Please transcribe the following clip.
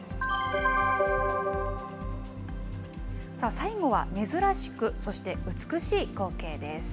最後は、珍しく、そして美しい光景です。